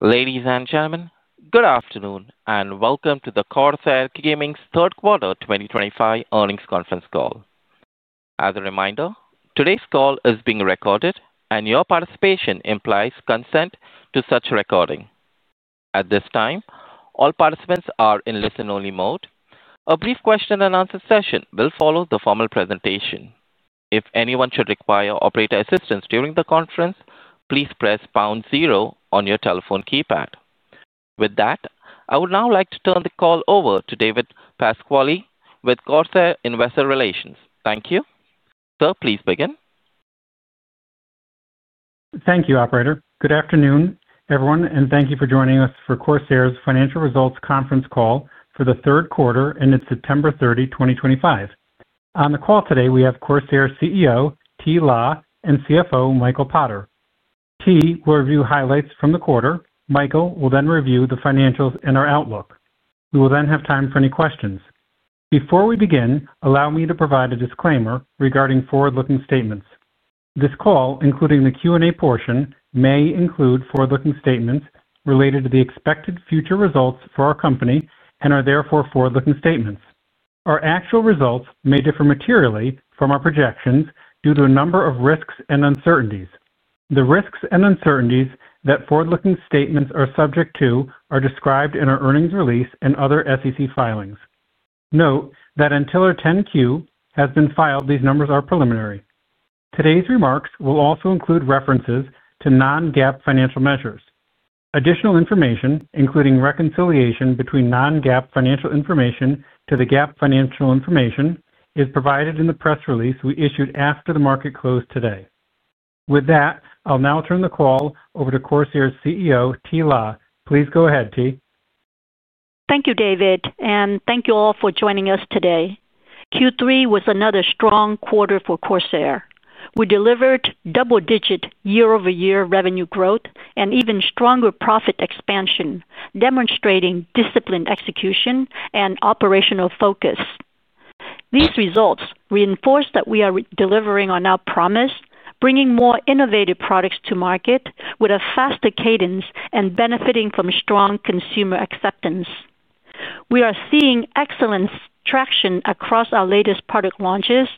Ladies and gentlemen, good afternoon and welcome to the Corsair Gaming's Third Quarter 2025 Earnings Conference Call. As a reminder, today's call is being recorded, and your participation implies consent to such recording. At this time, all participants are in listen-only mode. A brief question-and-answer session will follow the formal presentation. If anyone should require operator assistance during the conference, please press pound zero on your telephone keypad. With that, I would now like to turn the call over to David Pasquale with Corsair Investor Relations. Thank you. Sir, please begin. Thank you, Operator. Good afternoon, everyone, and thank you for joining us for Corsair's Financial Results Conference Call for the Third Quarter ended September 30, 2025. On the call today, we have Corsair CEO, Thi La, and CFO, Michael Potter. Thi La will review highlights from the quarter. Michael will then review the financials and our outlook. We will then have time for any questions. Before we begin, allow me to provide a disclaimer regarding forward-looking statements. This call, including the Q&A portion, may include forward-looking statements related to the expected future results for our company and are therefore forward-looking statements. Our actual results may differ materially from our projections due to a number of risks and uncertainties. The risks and uncertainties that forward-looking statements are subject to are described in our earnings release and other SEC filings. Note that until our 10Q has been filed, these numbers are preliminary. Today's remarks will also include references to non-GAAP financial measures. Additional information, including reconciliation between non-GAAP financial information to the GAAP financial information, is provided in the press release we issued after the market closed today. With that, I'll now turn the call over to Corsair's CEO, Thi La. Please go ahead, Thi La. Thank you, David, and thank you all for joining us today. Q3 was another strong quarter for Corsair. We delivered double-digit year-over-year revenue growth and even stronger profit expansion, demonstrating disciplined execution and operational focus. These results reinforce that we are delivering on our promise, bringing more innovative products to market with a faster cadence and benefiting from strong consumer acceptance. We are seeing excellent traction across our latest product launches,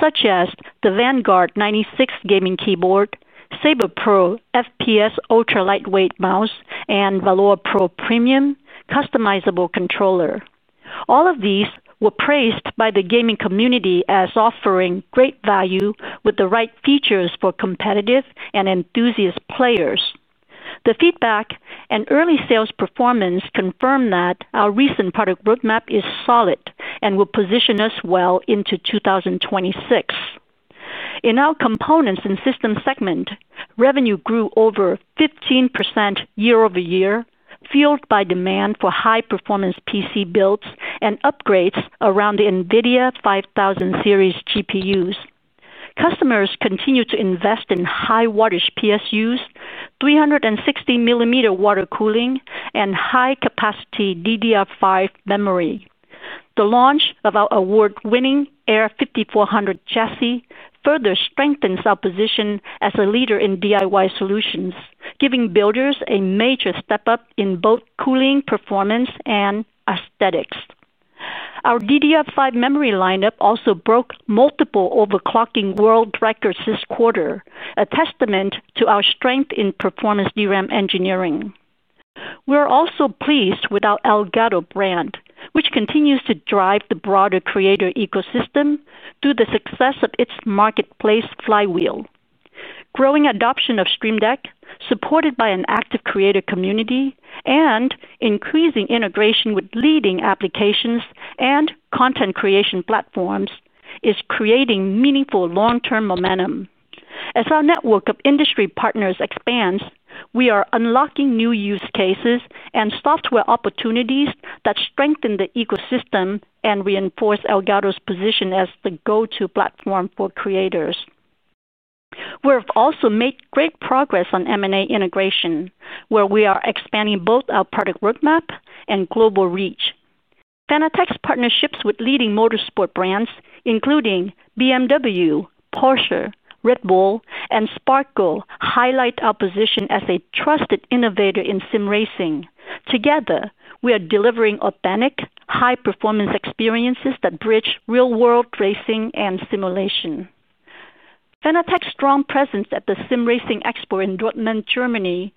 such as the Vanguard 96 Gaming Keyboard, Saber Pro FPS Ultra Lightweight Mouse, and Valoa Pro Premium Customizable Controller. All of these were praised by the gaming community as offering great value with the right features for competitive and enthusiast players. The feedback and early sales performance confirm that our recent product roadmap is solid and will position us well into 2026. In our components and systems segment, revenue grew over 15% year-over-year, fueled by demand for high-performance PC builds and upgrades around the NVIDIA 5000 series GPUs. Customers continue to invest in high-wattage PSUs, 360-millimeter water cooling, and high-capacity DDR5 memory. The launch of our award-winning AIR 5400 chassis further strengthens our position as a leader in DIY solutions, giving builders a major step up in both cooling, performance, and aesthetics. Our DDR5 memory lineup also broke multiple overclocking world records this quarter, a testament to our strength in performance DRAM engineering. We are also pleased with our Elgato brand, which continues to drive the broader creator ecosystem through the success of its marketplace flywheel. Growing adoption of Stream Deck, supported by an active creator community, and increasing integration with leading applications and content creation platforms is creating meaningful long-term momentum. As our network of industry partners expands, we are unlocking new use cases and software opportunities that strengthen the ecosystem and reinforce Elgato's position as the go-to platform for creators. We have also made great progress on M&A integration, where we are expanding both our product roadmap and global reach. Fanatec's partnerships with leading motorsport brands, including BMW, Porsche, Red Bull, and Sparco, highlight our position as a trusted innovator in sim racing. Together, we are delivering authentic, high-performance experiences that bridge real-world racing and simulation. Fanatec's strong presence at the sim racing expo in Dortmund, Germany,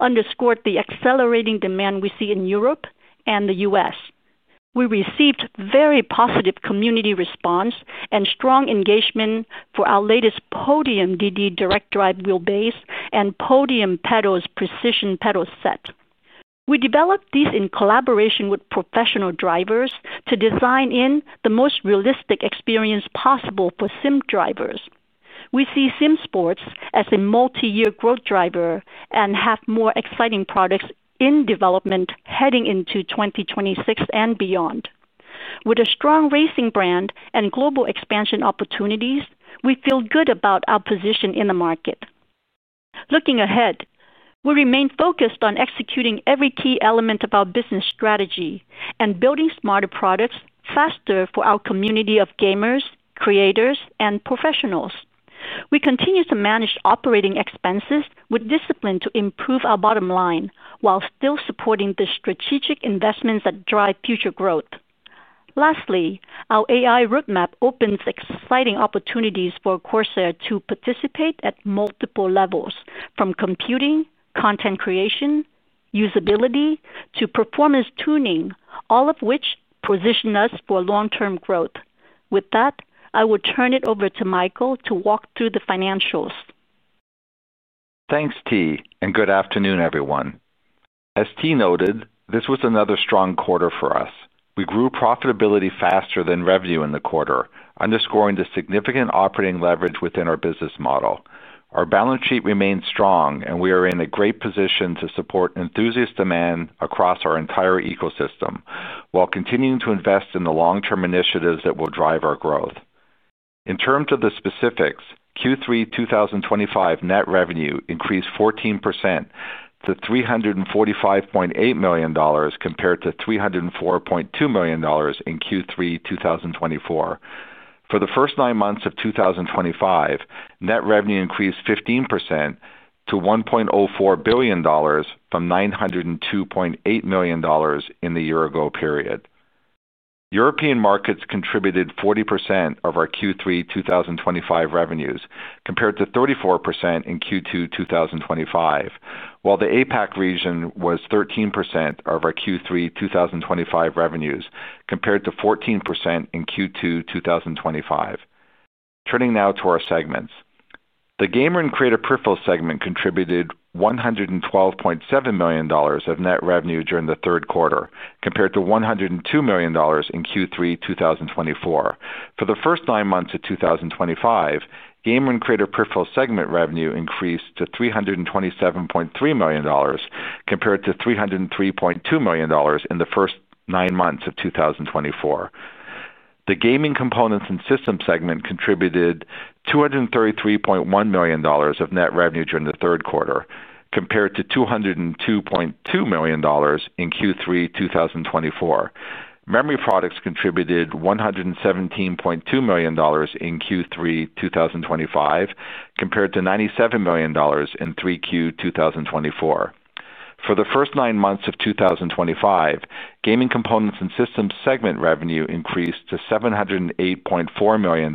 underscored the accelerating demand we see in Europe and the U.S. We received very positive community response and strong engagement for our latest Podium DD Direct Drive wheelbase and Podium Pedals precision pedal set. We developed these in collaboration with professional drivers to design the most realistic experience possible for sim drivers. We see sim sports as a multi-year growth driver and have more exciting products in development heading into 2026 and beyond. With a strong racing brand and global expansion opportunities, we feel good about our position in the market. Looking ahead, we remain focused on executing every key element of our business strategy and building smarter products faster for our community of gamers, creators, and professionals. We continue to manage operating expenses with discipline to improve our bottom line while still supporting the strategic investments that drive future growth. Lastly, our AI roadmap opens exciting opportunities for Corsair to participate at multiple levels, from computing, content creation, usability, to performance tuning, all of which position us for long-term growth. With that, I will turn it over to Michael to walk through the financials. Thanks, T, and good afternoon, everyone. As T noted, this was another strong quarter for us. We grew profitability faster than revenue in the quarter, underscoring the significant operating leverage within our business model. Our balance sheet remains strong, and we are in a great position to support enthusiast demand across our entire ecosystem while continuing to invest in the long-term initiatives that will drive our growth. In terms of the specifics, Q3 2025 net revenue increased 14% to $345.8 million compared to $304.2 million in Q3 2024. For the first nine months of 2025, net revenue increased 15% to $1.04 billion from $902.8 million in the year-ago period. European markets contributed 40% of our Q3 2025 revenues compared to 34% in Q2 2025, while the APAC region was 13% of our Q3 2025 revenues compared to 14% in Q2 2025. Turning now to our segments, the gamer and creator peripheral segment contributed $112.7 million of net revenue during the third quarter compared to $102 million in Q3 2024. For the first nine months of 2025, gamer and creator peripheral segment revenue increased to $327.3 million compared to $303.2 million in the first nine months of 2024. The gaming components and systems segment contributed $233.1 million of net revenue during the third quarter compared to $202.2 million in Q3 2024. Memory products contributed $117.2 million in Q3 2025 compared to $97 million in Q3 2024. For the first nine months of 2025, gaming components and systems segment revenue increased to $708.4 million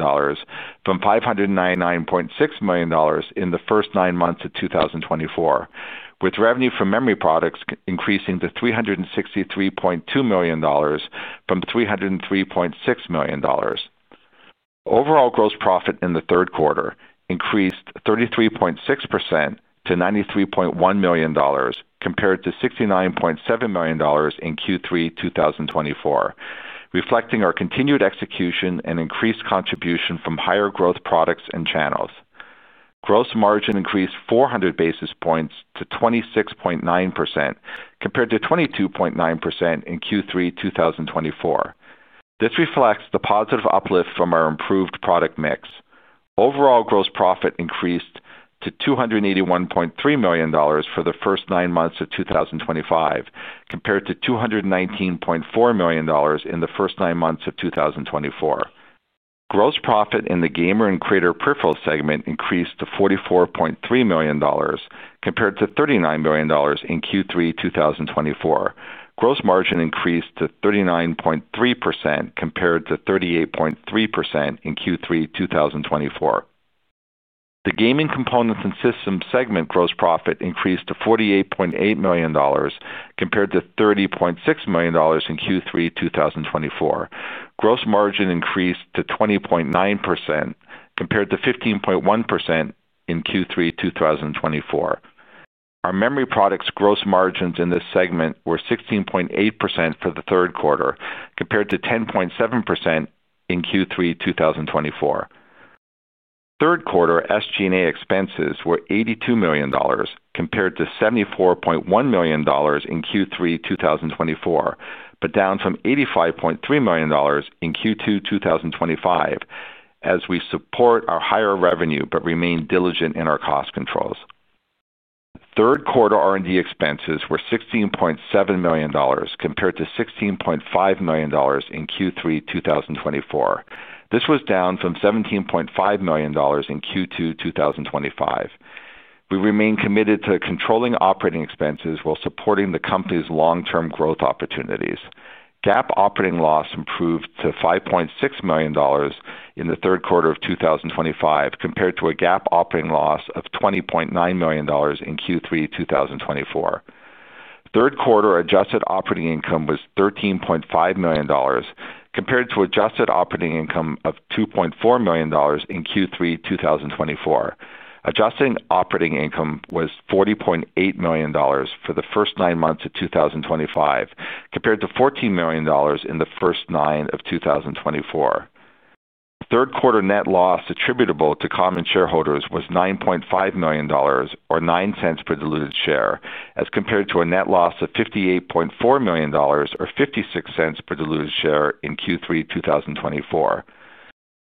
from $599.6 million in the first nine months of 2024, with revenue from memory products increasing to $363.2 million from $303.6 million. Overall gross profit in the third quarter increased 33.6% to $93.1 million compared to $69.7 million in Q3 2024, reflecting our continued execution and increased contribution from higher growth products and channels. Gross margin increased 400 basis points to 26.9% compared to 22.9% in Q3 2024. This reflects the positive uplift from our improved product mix. Overall gross profit increased to $281.3 million for the first nine months of 2025 compared to $219.4 million in the first nine months of 2024. Gross profit in the gamer and creator peripheral segment increased to $44.3 million compared to $39 million in Q3 2024. Gross margin increased to 39.3% compared to 38.3% in Q3 2024. The gaming components and systems segment gross profit increased to $48.8 million compared to $30.6 million in Q3 2024. Gross margin increased to 20.9% compared to 15.1% in Q3 2024. Our memory products' gross margins in this segment were 16.8% for the third quarter compared to 10.7% in Q3 2024. Third quarter SG&A expenses were $82 million compared to $74.1 million in Q3 2024, but down from $85.3 million in Q2 2025 as we support our higher revenue but remain diligent in our cost controls. Third quarter R&D expenses were $16.7 million compared to $16.5 million in Q3 2024. This was down from $17.5 million in Q2 2025. We remain committed to controlling operating expenses while supporting the company's long-term growth opportunities. GAAP operating loss improved to $5.6 million in the third quarter of 2025 compared to a GAAP operating loss of $20.9 million in Q3 2024. Third quarter adjusted operating income was $13.5 million compared to adjusted operating income of $2.4 million in Q3 2024. Adjusted operating income was $40.8 million for the first nine months of 2025 compared to $14 million in the first nine months of 2024. Third quarter net loss attributable to common shareholders was $9.5 million, or $0.09 per diluted share, as compared to a net loss of $58.4 million, or $0.56 per diluted share in Q3 2024.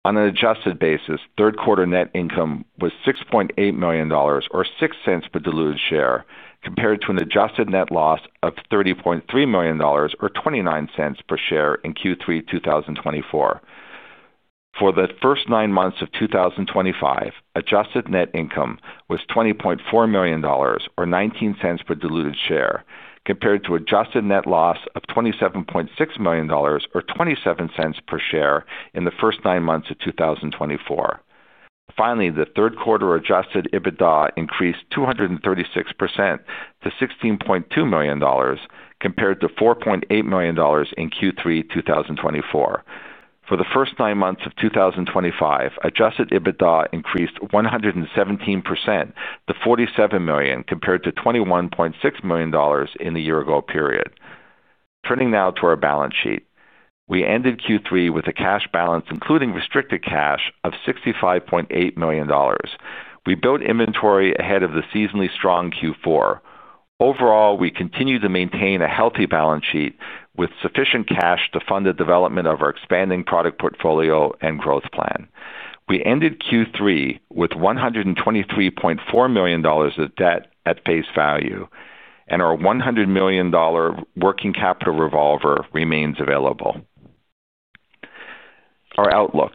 On an adjusted basis, third quarter net income was $6.8 million, or $0.06 per diluted share, compared to an adjusted net loss of $30.3 million, or $0.29 per share in Q3 2024. For the first nine months of 2025, adjusted net income was $20.4 million, or $0.19 per diluted share, compared to adjusted net loss of $27.6 million, or $0.27 per share in the first nine months of 2024. Finally, the third quarter adjusted EBITDA increased 236% to $16.2 million compared to $4.8 million in Q3 2024. For the first nine months of 2025, adjusted EBITDA increased 117% to $47 million compared to $21.6 million in the year-ago period. Turning now to our balance sheet, we ended Q3 with a cash balance including restricted cash of $65.8 million. We built inventory ahead of the seasonally strong Q4. Overall, we continue to maintain a healthy balance sheet with sufficient cash to fund the development of our expanding product portfolio and growth plan. We ended Q3 with $123.4 million of debt at face value, and our $100 million working capital revolver remains available. Our outlook: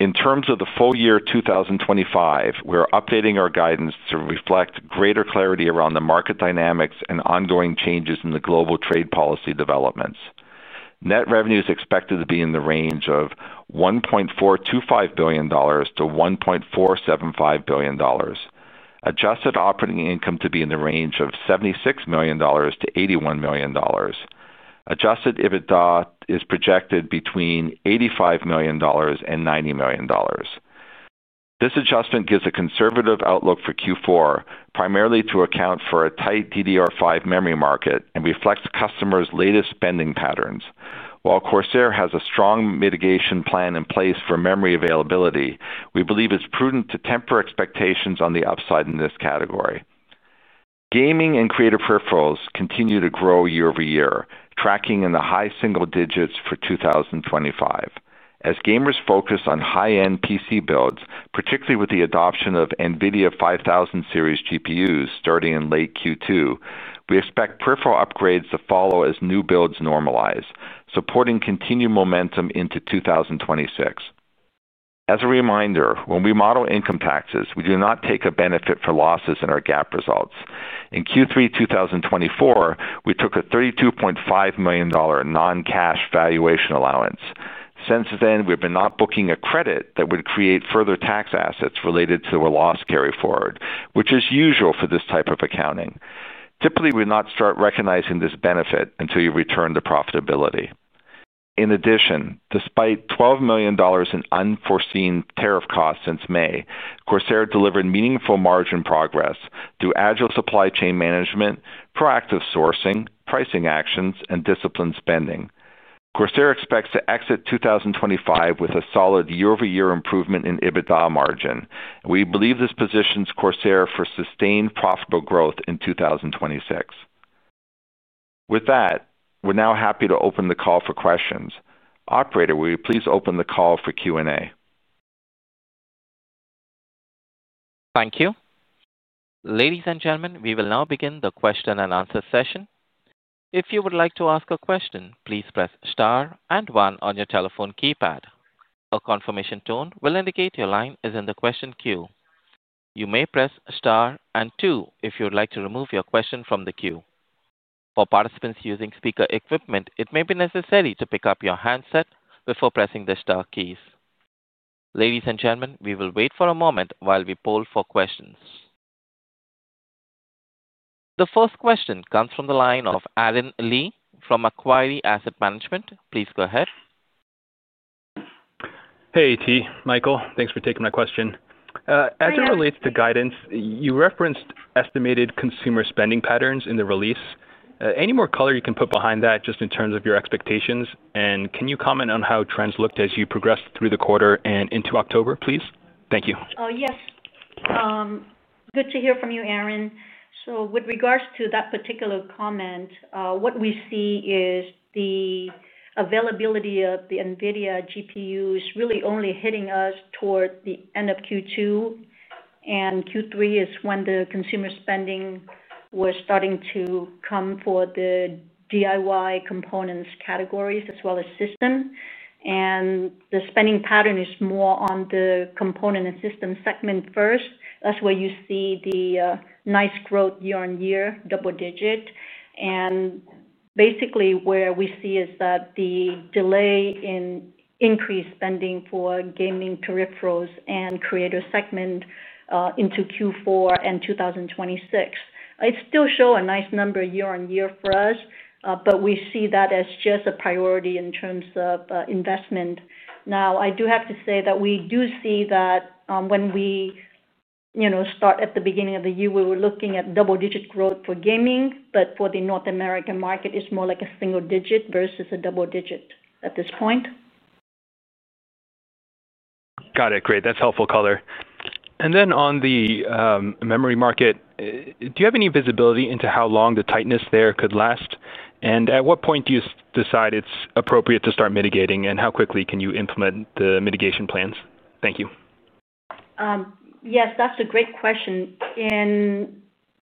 In terms of the full year 2025, we are updating our guidance to reflect greater clarity around the market dynamics and ongoing changes in the global trade policy developments. Net revenue is expected to be in the range of $1.425 billion-$1.475 billion. Adjusted operating income to be in the range of $76 million-$81 million. Adjusted EBITDA is projected between $85 million and $90 million. This adjustment gives a conservative outlook for Q4, primarily to account for a tight DDR5 memory market and reflects customers' latest spending patterns. While Corsair has a strong mitigation plan in place for memory availability, we believe it's prudent to temper expectations on the upside in this category. Gaming and creator peripherals continue to grow year over year, tracking in the high single digits for 2025. As gamers focus on high-end PC builds, particularly with the adoption of NVIDIA 5000 series GPUs starting in late Q2, we expect peripheral upgrades to follow as new builds normalize, supporting continued momentum into 2026. As a reminder, when we model income taxes, we do not take a benefit for losses in our GAAP results. In Q3 2024, we took a $32.5 million non-cash valuation allowance. Since then, we have been not booking a credit that would create further tax assets related to the loss carry forward, which is usual for this type of accounting. Typically, we would not start recognizing this benefit until you return the profitability. In addition, despite $12 million in unforeseen tariff costs since May, Corsair delivered meaningful margin progress through agile supply chain management, proactive sourcing, pricing actions, and disciplined spending. Corsair expects to exit 2025 with a solid year-over-year improvement in EBITDA margin, and we believe this positions Corsair for sustained profitable growth in 2026. With that, we're now happy to open the call for questions. Operator, will you please open the call for Q&A? Thank you. Ladies and gentlemen, we will now begin the question and answer session. If you would like to ask a question, please press star and one on your telephone keypad. A confirmation tone will indicate your line is in the question queue. You may press star and two if you would like to remove your question from the queue. For participants using speaker equipment, it may be necessary to pick up your handset before pressing the star keys. Ladies and gentlemen, we will wait for a moment while we poll for questions. The first question comes from the line of Aaron Lee from Macquarie Asset Management. Please go ahead. Hey, Michael, thanks for taking my question. As it relates to guidance, you referenced estimated consumer spending patterns in the release. Any more color you can put behind that just in terms of your expectations? And can you comment on how trends looked as you progressed through the quarter and into October, please? Thank you. Yes. Good to hear from you, Aaron, so with regards to that particular comment, what we see is the availability of the NVIDIA GPUs really only hitting us toward the end of Q2, and Q3 is when the consumer spending was starting to come for the DIY components categories as well as system, and the spending pattern is more on the component and system segment first. That's where you see the nice growth year on year, double digit, and basically, where we see is that the delay in increased spending for gaming peripherals and creator segment into Q4 and 2026. It still shows a nice number year on year for us, but we see that as just a priority in terms of investment. Now, I do have to say that we do see that when we start at the beginning of the year, we were looking at double-digit growth for gaming, but for the North American market, it's more like a single digit versus a double digit at this point. Got it. Great. That's helpful, color. And then on the memory market, do you have any visibility into how long the tightness there could last? And at what point do you decide it's appropriate to start mitigating, and how quickly can you implement the mitigation plans? Thank you. Yes, that's a great question. In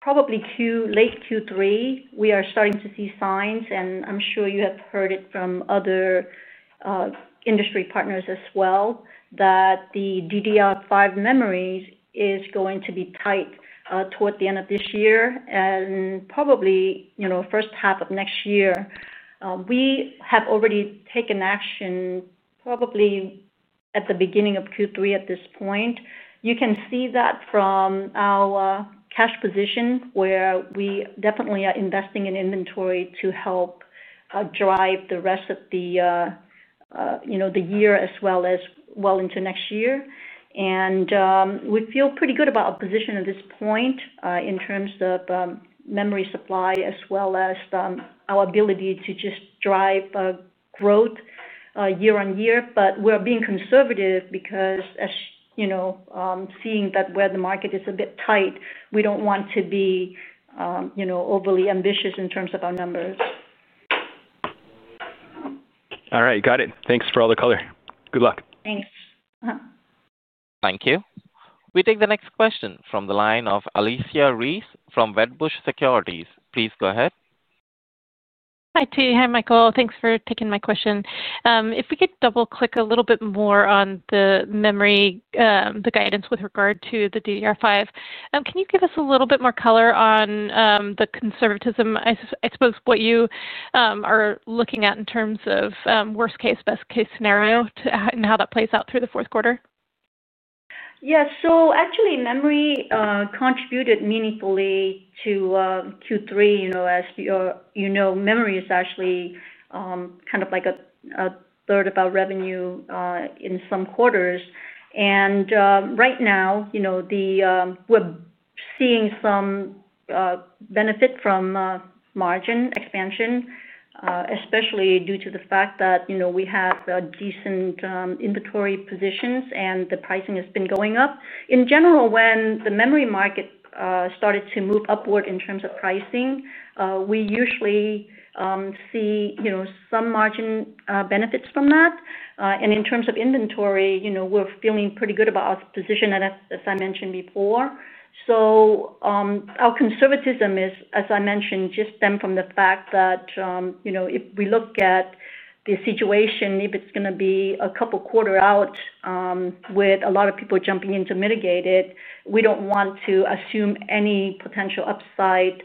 probably late Q3, we are starting to see signs, and I'm sure you have heard it from other industry partners as well, that the DDR5 memory is going to be tight toward the end of this year and probably the first half of next year. We have already taken action probably at the beginning of Q3 at this point. You can see that from our cash position, where we definitely are investing in inventory to help drive the rest of the year as well as into next year. And we feel pretty good about our position at this point in terms of memory supply as well as our ability to just drive growth year on year. But we're being conservative because seeing that where the market is a bit tight, we don't want to be overly ambitious in terms of our numbers. All right. Got it. Thanks for all the color. Good luck. Thanks. Thank you. We take the next question from the line of Alicia Reese from Wedbush Securities. Please go ahead. Hi, Thi. Hi, Michael. Thanks for taking my question. If we could double-click a little bit more on the memory, the guidance with regard to the DDR5, can you give us a little bit more color on the conservatism, I suppose, what you are looking at in terms of worst-case, best-case scenario and how that plays out through the fourth quarter? Yes. So actually, memory contributed meaningfully to Q3. As you know, memory is actually kind of like a third of revenue in some quarters. And right now we're seeing some benefit from margin expansion, especially due to the fact that we have decent inventory positions, and the pricing has been going up. In general, when the memory market started to move upward in terms of pricing, we usually see some margin benefits from that. And in terms of inventory, we're feeling pretty good about our position, as I mentioned before. So our conservatism is, as I mentioned, just stemmed from the fact that if we look at the situation, if it's going to be a couple of quarters out with a lot of people jumping in to mitigate it, we don't want to assume any potential upside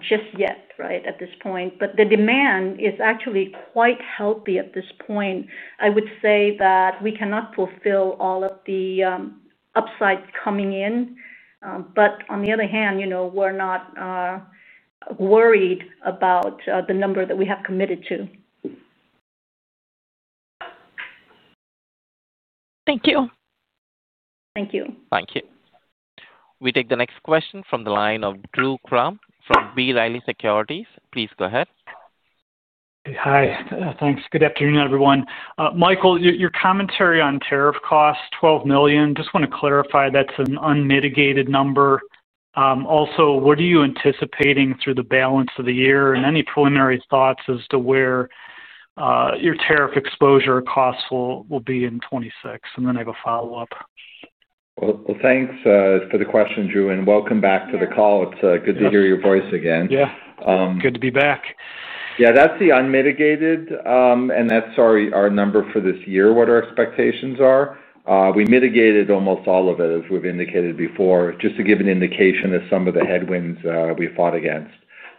just yet, right, at this point. But the demand is actually quite healthy at this point. I would say that we cannot fulfill all of the upsides coming in. But on the other hand, we're not worried about the number that we have committed to. Thank you. Thank you. Thank you. We take the next question from the line of Drew Crum from B. Riley Securities. Please go ahead. Hi. Thanks. Good afternoon, everyone. Michael, your commentary on tariff costs, $12 million, just want to clarify that's an unmitigated number. Also, what are you anticipating through the balance of the year and any preliminary thoughts as to where your tariff exposure costs will be in 2026? And then I have a follow-up. Well, thanks for the question, Drew. And welcome back to the call. It's good to hear your voice again. Yeah. Good to be back. Yeah. That's the unmitigated, and that's our number for this year, what our expectations are. We mitigated almost all of it, as we've indicated before, just to give an indication of some of the headwinds we fought against.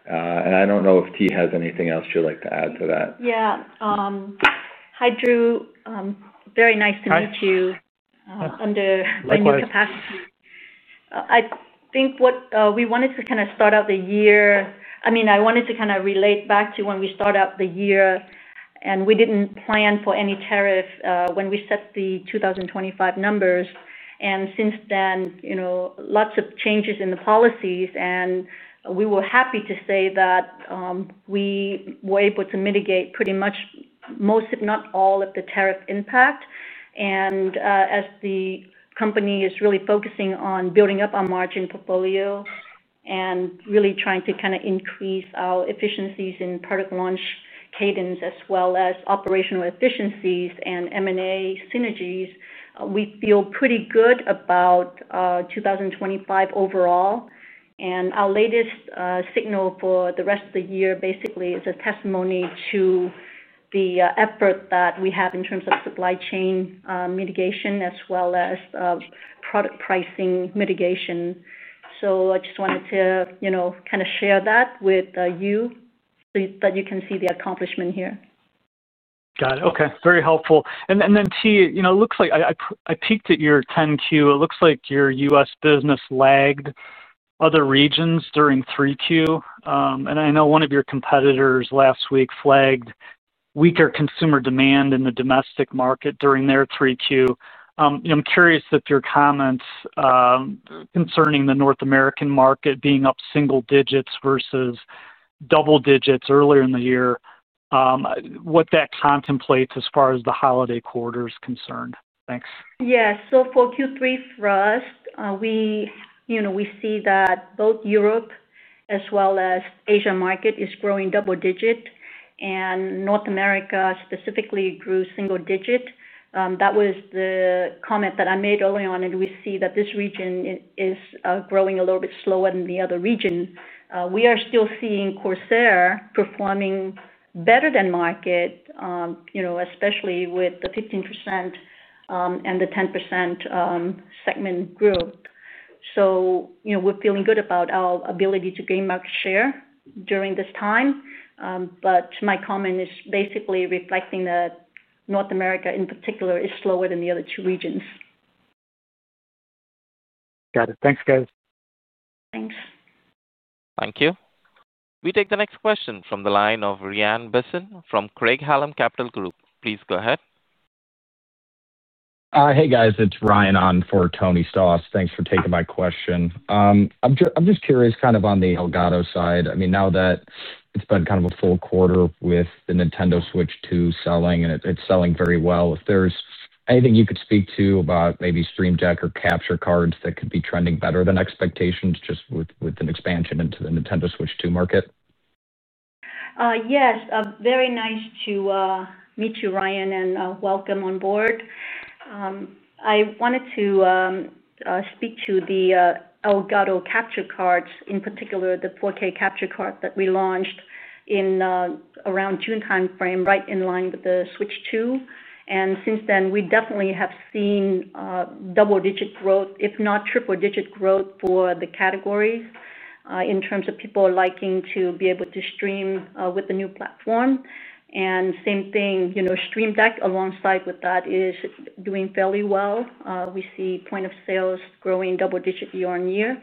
And I don't know if T has anything else you'd like to add to that. Yeah. Hi, Drew. Very nice to meet you. Hi. Under any capacity, of course, I think we wanted to kind of start out the year, I mean, I wanted to kind of relate back to when we started out the year, and we didn't plan for any tariff when we set the 2025 numbers, and since then, lots of changes in the policies, and we were happy to say that we were able to mitigate pretty much most, if not all, of the tariff impact, and as the company is really focusing on building up our margin portfolio and really trying to kind of increase our efficiencies in product launch cadence as well as operational efficiencies and M&A synergies, we feel pretty good about 2025 overall, and our latest signal for the rest of the year, basically, is a testimony to the effort that we have in terms of supply chain mitigation as well as product pricing mitigation, so I just wanted to kind of share that with you so that you can see the accomplishment here. Got it. Okay. Very helpful. And then, T, it looks like I peeked at your 10-Q. It looks like your U.S. business lagged other regions during 3Q. And I know one of your competitors last week flagged weaker consumer demand in the domestic market during their 3Q. I'm curious if your comments concerning the North American market being up single digits versus double digits earlier in the year, what that contemplates as far as the holiday quarter is concerned. Thanks. Yes. So for Q3 first, we see that both Europe as well as Asia market is growing double digit, and North America specifically grew single digit. That was the comment that I made early on, and we see that this region is growing a little bit slower than the other region. We are still seeing Corsair performing better than market. Especially with the 15% and the 10% segment group. So we're feeling good about our ability to gain market share during this time. But my comment is basically reflecting that North America in particular is slower than the other two regions. Got it. Thanks, guys. Thanks. Thank you. We take the next question from the line of Rian Bisson from Craig-Hallum Capital Group. Please go ahead. Hey, guys. It's Rian on for Tony Stoss. Thanks for taking my question. I'm just curious kind of on the Elgato side. I mean, now that it's been kind of a full quarter with the Nintendo Switch 2 selling, and it's selling very well, if there's anything you could speak to about maybe Stream Deck or Capture cards that could be trending better than expectations just with an expansion into the Nintendo Switch 2 market? Yes. Very nice to meet you, Rian, and welcome on board. I wanted to speak to the Elgato capture cards, in particular the 4K Capture Card that we launched in around June timeframe, right in line with the Switch 2. And since then, we definitely have seen double-digit growth, if not triple-digit growth for the category in terms of people liking to be able to stream with the new platform. And same thing, Stream Deck alongside with that is doing fairly well. We see point of sales growing double digit year on year.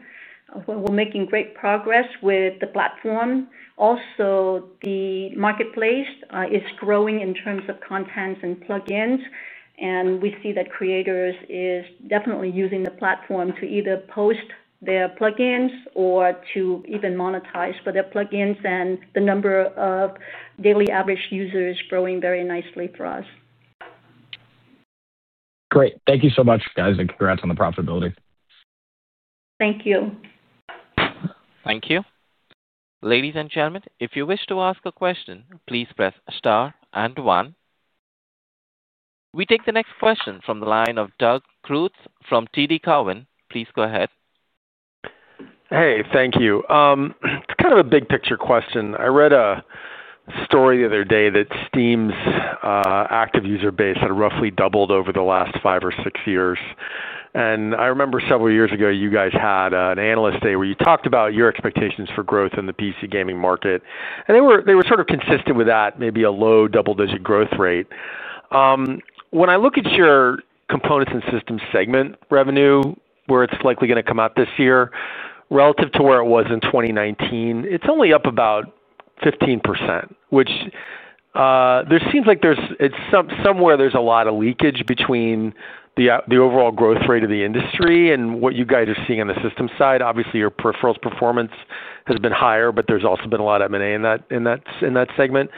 We're making great progress with the platform. Also, the marketplace is growing in terms of content and plug-ins. And we see that creators are definitely using the platform to either post their plug-ins or to even monetize for their plug-ins. And the number of daily average users is growing very nicely for us. Great. Thank you so much, guys. And congrats on the profitability. Thank you. Thank you. Ladies and gentlemen, if you wish to ask a question, please press star and one. We take the next question from the line of Doug Creutz from TD Cowen. Please go ahead. Hey, thank you. It's kind of a big-picture question. I read a story the other day that Steam's active user base had roughly doubled over the last five or six years, and I remember several years ago, you guys had an analyst day where you talked about your expectations for growth in the PC gaming market, and they were sort of consistent with that, maybe a low double-digit growth rate. When I look at your components and systems segment revenue, where it's likely going to come out this year, relative to where it was in 2019, it's only up about 15%, which there seems like somewhere there's a lot of leakage between the overall growth rate of the industry and what you guys are seeing on the system side. Obviously, your peripherals performance has been higher, but there's also been a lot of M&A in that segment,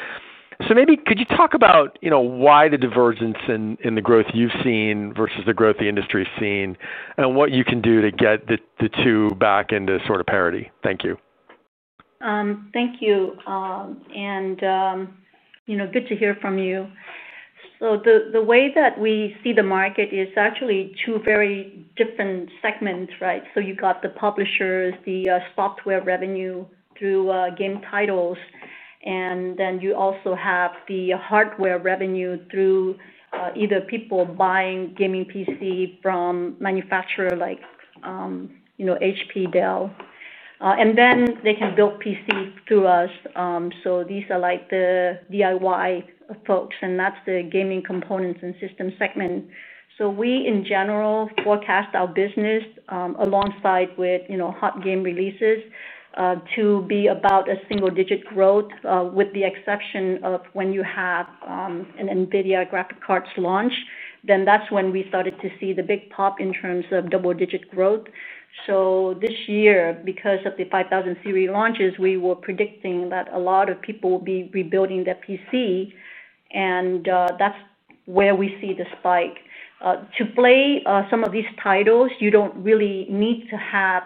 so maybe could you talk about why the divergence in the growth you've seen versus the growth the industry has seen and what you can do to get the two back into sort of parity? Thank you. Thank you. Good to hear from you. So the way that we see the market is actually two very different segments, right? So you've got the publishers, the software revenue through game titles, and then you also have the hardware revenue through either people buying gaming PC from manufacturers like HP, Dell. And then they can build PCs through us. So these are like the DIY folks, and that's the gaming components and systems segment. So we, in general, forecast our business alongside with hot game releases to be about a single-digit growth, with the exception of when you have an NVIDIA graphics card launch, then that's when we started to see the big pop in terms of double-digit growth. So this year, because of the 5000 series launches, we were predicting that a lot of people will be rebuilding their PC. And that's where we see the spike. To play some of these titles, you don't really need to have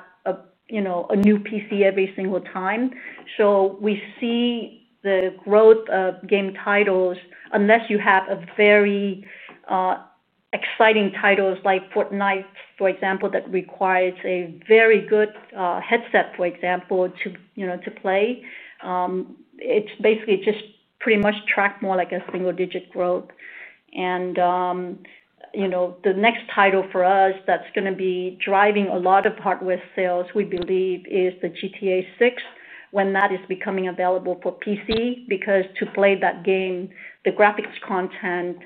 a new PC every single time. So we see the growth of game titles unless you have very exciting titles like Fortnite, for example, that requires a very good headset, for example, to play. It's basically just pretty much tracked more like a single-digit growth. The next title for us that's going to be driving a lot of hardware sales, we believe, is the GTA 6 when that is becoming available for PC because to play that game, the graphics content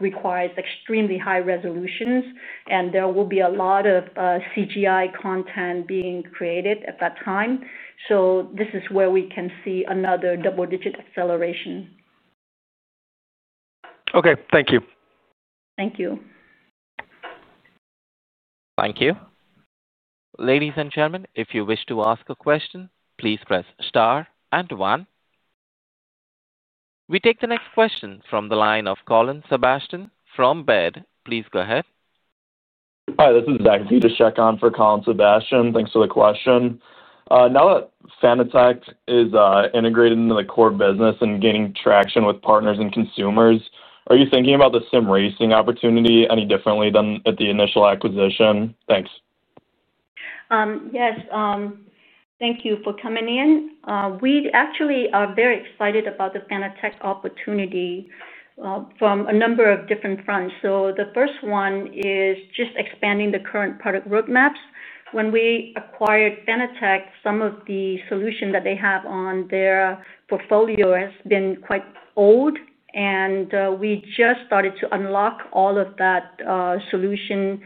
requires extremely high resolutions, and there will be a lot of CGI content being created at that time. So this is where we can see another double-digit acceleration. Okay. Thank you. Thank you. Thank you. Ladies and gentlemen, if you wish to ask a question, please press star and one. We take the next question from the line of Colin Sebastian from Baird. Please go ahead. Hi. This is Drew to check in for Colin Sebastian. Now that Fanatec is integrated into the core business and gaining traction with partners and consumers, are you thinking about the sim racing opportunity any differently than at the initial acquisition? Thanks. Yes. Thank you for coming in. We actually are very excited about the Fanatec opportunity from a number of different fronts, so the first one is just expanding the current product roadmaps. When we acquired Fanatec, some of the solutions that they have on their portfolio have been quite old, and we just started to unlock all of that solution.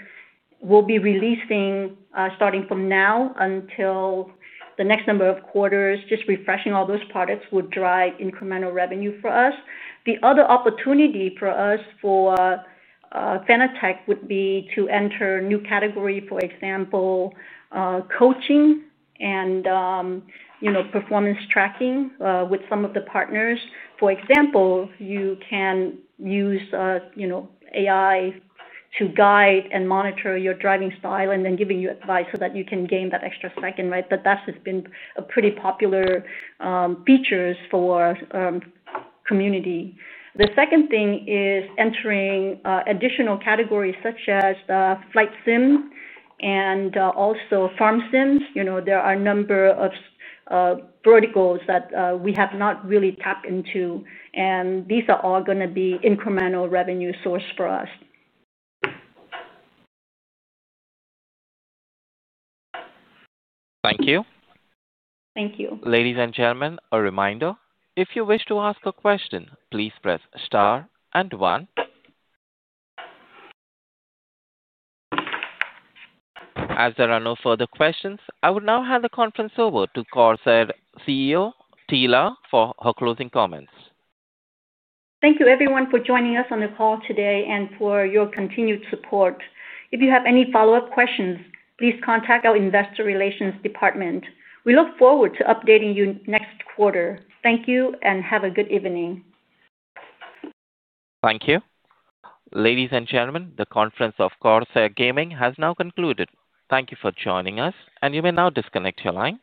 We'll be releasing starting from now until the next number of quarters, just refreshing all those products would drive incremental revenue for us. The other opportunity for us, for Fanatec would be to enter a new category, for example, coaching and performance tracking with some of the partners. For example, you can use AI to guide and monitor your driving style and then giving you advice so that you can gain that extra second, right, but that has been a pretty popular feature for community. The second thing is entering additional categories such as the flight sim and also farm sims. There are a number of verticals that we have not really tapped into, and these are all going to be incremental revenue sources for us. Thank you. Thank you. Ladies and gentlemen, a reminder. If you wish to ask a question, please press star and one. As there are no further questions, I will now hand the conference over to Corsair CEO, Thi La, for her closing comments. Thank you, everyone, for joining us on the call today and for your continued support. If you have any follow-up questions, please contact our investor relations department. We look forward to updating you next quarter. Thank you and have a good evening. Thank you. Ladies and gentlemen, the conference of Corsair Gaming has now concluded. Thank you for joining us, and you may now disconnect your lines.